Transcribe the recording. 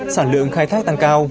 sản lượng khai thác tăng cao